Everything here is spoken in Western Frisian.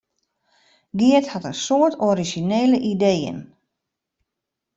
Geart hat in soad orizjinele ideeën.